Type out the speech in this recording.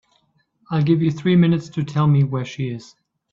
I'll give you three minutes to tell me where she is.